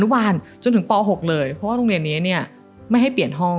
อนุบาลจนถึงป่า๖เลยว่าโรงเรียนนี้เนี่ยไม่ให้เปลี่ยนห้อง